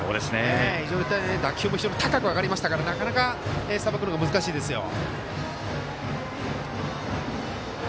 非常に打球も高く上がりましたからなかなかさばくのが難しいですよ。